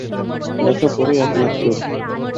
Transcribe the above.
লেখা পড়েই আপনি আঁতকে উঠবেন।